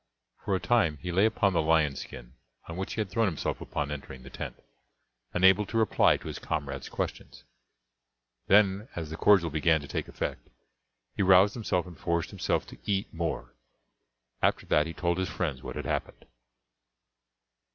For a time he lay upon the lion skin on which he had thrown himself upon entering the tent, unable to reply to his comrades' questions. Then, as the cordial began to take effect, he roused himself and forced himself to eat more. After that he told his friends what had happened.